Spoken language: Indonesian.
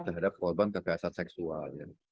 terhadap korban kekerasan seksual